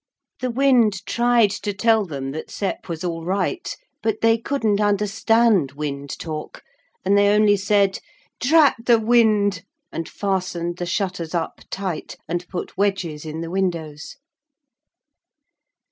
The wind tried to tell them that Sep was all right, but they couldn't understand wind talk, and they only said, 'Drat the wind,' and fastened the shutters up tight, and put wedges in the windows.